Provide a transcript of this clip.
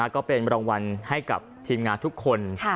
ก็เป็นรางวัลให้กับทีมงานทุกคน